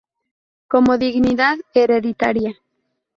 Como dignidad hereditaria